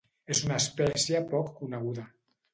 És una espècie poc coneguda.